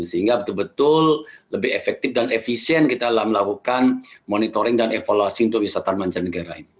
sehingga betul betul lebih efektif dan efisien kita dalam melakukan monitoring dan evaluasi untuk wisata mancanegara ini